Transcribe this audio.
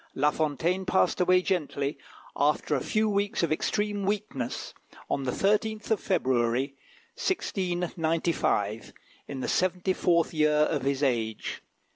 La Fontaine passed away gently, after a few weeks of extreme weakness, on the 13th of February, 1695, in the seventy fourth year of his age.